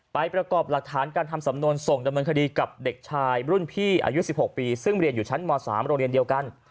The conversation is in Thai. ประกอบหลักฐานการทำสำนวนส่งดำเนินคดีกับเด็กชายรุ่นพี่อายุ๑๖ปีซึ่งเรียนอยู่ชั้นม๓โรงเรียนเดียวกัน